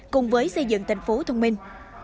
cùng với xây dựng thành phố thông minh